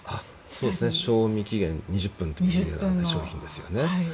賞味期限２０分という商品ですよね。